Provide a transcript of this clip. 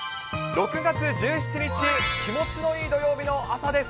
６月１７日、気持ちのいい土曜日の朝です。